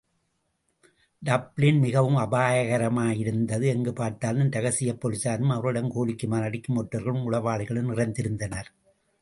Dublin நடமாடுவது மிகவும் அபாயகரமானதாயிருந்தது எங்குபார்தாலும் இரகசிய பொலிஸாரும் அவர்களிடம் கூலிக்கு மாரடிக்கும் ஒற்றர்களும், உளவாளிகளும் நிறைந்திருந்தனர்.